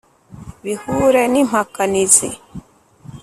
bihure n’impakanizi